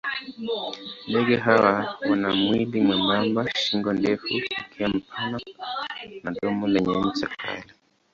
Ndege hawa wana mwili mwembamba, shingo ndefu, mkia mpana na domo lenye ncha kali.